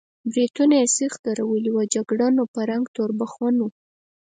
برېتونه یې سېخ درولي وو، جګړن و، په رنګ تور بخون و.